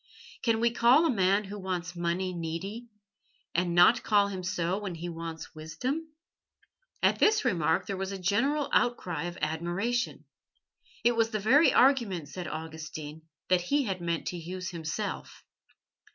Can we call a man who wants money needy, and not call him so when he wants wisdom?" At this remark there was a general outcry of admiration. It was the very argument, said Augustine, that he had meant to use himself.